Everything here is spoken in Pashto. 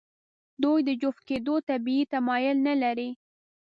دوی د جفت کېدو طبیعي تمایل نهلري.